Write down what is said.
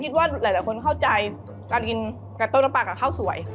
คิดว่าหลายคนเข้าใจการกินไก่โต้น้ำปลากับข้าวสวย